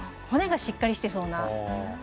骨がしっかりしてそうな。